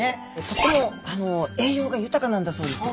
とても栄養が豊かなんだそうです。